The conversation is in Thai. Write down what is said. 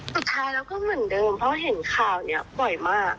สุดท้ายแล้วก็เหมือนเดิมเพราะเห็นข่าวนี้บ่อยมาก